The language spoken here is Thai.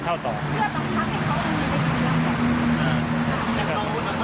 แล้วคุณพ่อต้องไม่จ่ายไหม